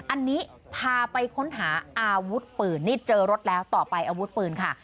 อันนี้พาไปค้นหาอาวุธปืนนี่เจอรถแล้วต่อไปอาวุธปืนค่ะ